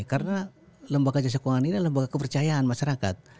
karena lembaga jasa keuangan ini adalah lembaga kepercayaan masyarakat